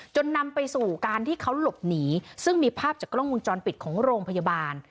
นำไปสู่การที่เขาหลบหนีซึ่งมีภาพจากกล้องมุมจรปิดของโรงพยาบาล